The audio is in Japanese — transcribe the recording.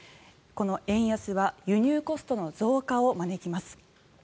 この円安は輸入コストの増加を招きます。